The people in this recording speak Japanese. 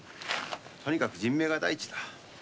とにかく人命が第一だ。